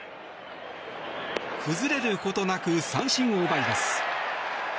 崩れることなく三振を奪います。